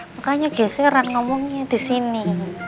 makanya geseran ngomongnya disini